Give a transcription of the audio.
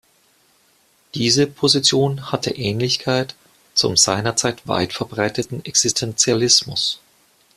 Diese Position hatte Ähnlichkeit zum seinerzeit weitverbreiteten Existenzialismus.